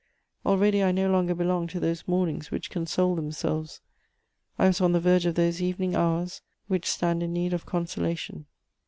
Already I no longer belonged to those mornings which console themselves; I was on the verge of those evening hours which stand in need of consolation.